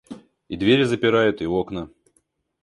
И двери запирают, и окна.